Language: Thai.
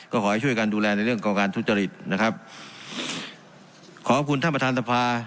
ก็ขอให้ช่วยกันดูแลในเรื่องของการทุจริตนะครับขอบคุณท่านประธานสภา